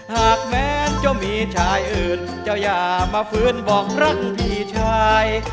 หากแม้จะมีชายอื่นจะอย่ามาฟื้นบอกรักพี่ชาย